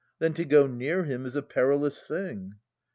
Then to go near him is a perilous thing.